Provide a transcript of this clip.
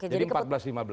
jadi empat belas lima belas